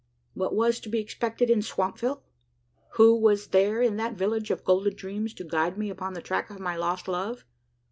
What was to be expected in Swampville? Who was there in that village of golden dreams to guide me upon the track of my lost love?